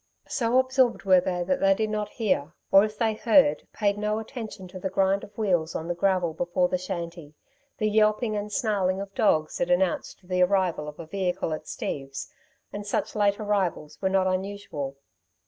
So absorbed were they that they did not hear, or if they heard, paid no attention to the grind of wheels on the gravel before the shanty, the yelping and snarling of dogs that announced the arrival of a vehicle at Steve's, and such late arrivals were not usual.